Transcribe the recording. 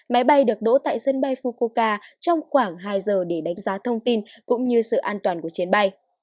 máy bay được đỗ tại sân bay fukoka trong khoảng hai giờ để đánh giá thông tin cũng như sự an toàn của chuyến bay